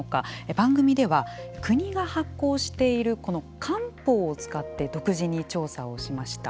番組では、国が発行しているこの官報を使って独自に調査をしました。